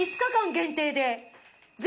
限定で。